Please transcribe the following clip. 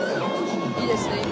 いいですね、今。